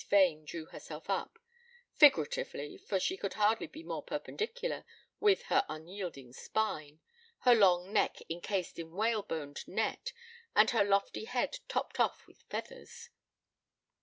Vane drew herself up figuratively, for she could hardly be more perpendicular, with her unyielding spine, her long neck encased in whaleboned net and her lofty head topped off with feathers.